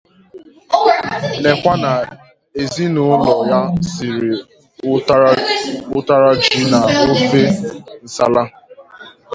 nnekwu na ezinaụlọ ya siri ụtara ji na ofe nsala